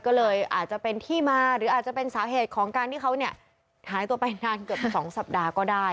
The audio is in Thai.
ก็เลยอาจจะเป็นที่มาหรืออาจจะเป็นสาเหตุของการที่เขาเนี่ยหายตัวไปนานเกือบ๒สัปดาห์ก็ได้